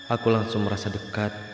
aku langsung merasa dekat